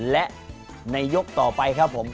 และในยกต่อไปครับผม